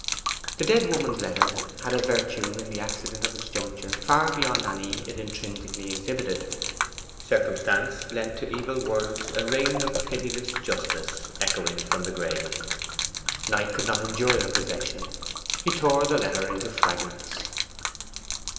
The dead woman's letter had a virtue in the accident of its juncture far beyond any it intrinsically exhibited. Circumstance lent to evil words a ring of pitiless justice echoing from the grave. Knight could not endure their possession. He tore the letter into fragments.